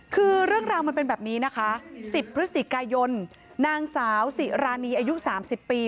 คือเรื่องราวมันเป็นแบบนี้นะคะ๑๐พฤศจิกายนนางสาวสิรานีอายุ๓๐ปี